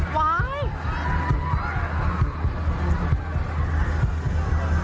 ไหว